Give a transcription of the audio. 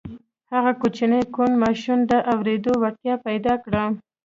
هغه کوچني کوڼ ماشوم د اورېدو وړتیا پیدا کړه